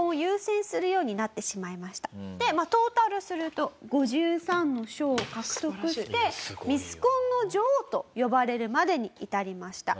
でトータルすると５３の賞を獲得してミスコンの女王と呼ばれるまでに至りました。